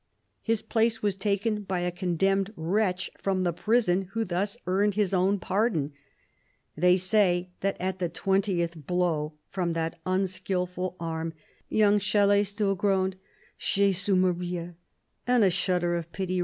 His place was taken by a condemned wretch from the prison who thus earned his own pardon. They say that at the twentieth blow from that unskilful arm young Chalais still groaned— " J6sus Maria!"